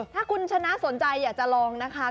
ถ้าคุณชนะสนใจอยากจะลองนะคะ